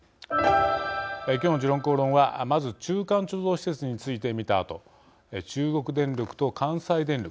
今日の「時論公論」はまず、中間貯蔵施設について見たあと中国電力と関西電力